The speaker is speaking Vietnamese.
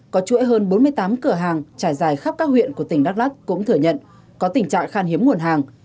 có chuỗi hơn bốn mươi tám cửa hàng trải dài khắp các huyện của tỉnh đắk lắc cũng thừa nhận có tình trạng khan hiếm nguồn hàng